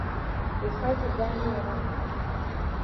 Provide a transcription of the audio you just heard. Ухаҵаӡами уара.